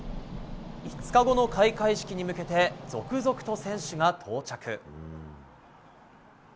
５日後の開会式に向けて続々と選手が到着。